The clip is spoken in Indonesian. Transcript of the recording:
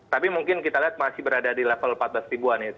tapi mungkin kita lihat masih berada di level empat belas ribuan ya